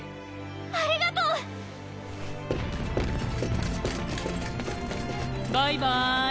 ありがとう！バイバイ！